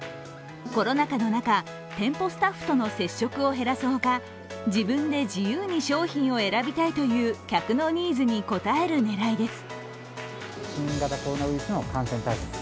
コロナ禍の中、店舗スタッフとの接触を減らすほか、自分で自由に商品を選びたいという客のニーズに応える狙いです。